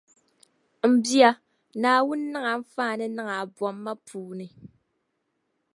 M bia, Naawuni niŋ anfaani niŋ a bomma puuni.